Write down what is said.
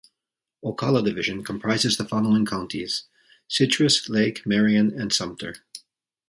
Ocala Division comprises the following counties: Citrus, Lake, Marion, and Sumter.